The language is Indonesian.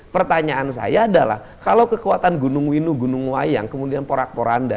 pertanyaan saya adalah kalau kekuatan gunung winu gunung wayang kemudian porak poranda